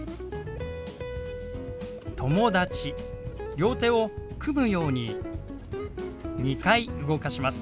両手を組むように２回動かします。